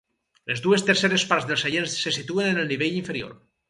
Les dues terceres parts dels seients se situen en el nivell inferior.